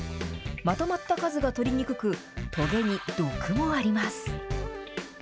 まとまった数が取りにくく、とげに毒もあります。